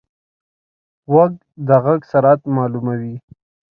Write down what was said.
غوږ د غږ سرعت معلوموي.